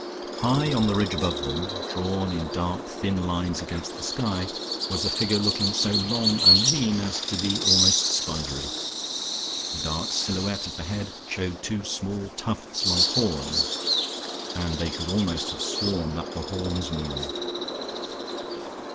High on the ridge above them, drawn in dark thin lines against the sky, was a figure looking so long and lean as to be almost spidery. The dark silhouette of the head showed two small tufts like horns; and they could almost have sworn that the horns moved.